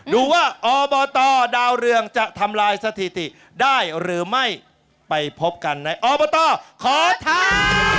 ดูว่าอบตดาวเรืองจะทำลายสถิติได้หรือไม่ไปพบกันในอบตขอทาน